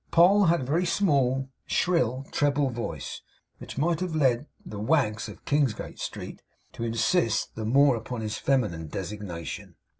Poll had a very small, shrill treble voice, which might have led the wags of Kingsgate Street to insist the more upon his feminine designation.